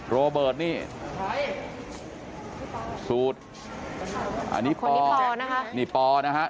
โรเบิร์ตนี่สูตรขอบคุณครับขอบคุณครับ